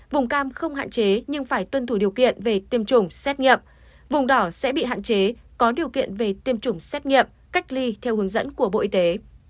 vùng cam không hạn chế nhưng phải tuân thủ điều kiện về tiêm chủng xét nghiệm vùng đỏ sẽ bị hạn chế có điều kiện về tiêm chủng xét nghiệm cách ly theo hướng dẫn của bộ y tế